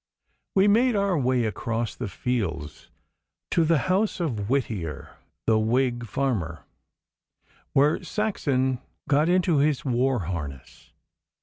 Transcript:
We made our way across the fields to the house of Whittier, the Whig farmer, where Saxon got into his war harness.